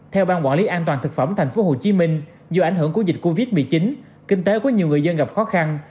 theo ban quản lý an toàn thực phẩm tp hcm do ảnh hưởng của dịch covid một mươi chín kinh tế của nhiều người dân gặp khó khăn